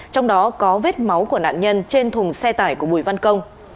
trong đó có vết máu của nạn nhân trên thùng xe tải của bùi văn công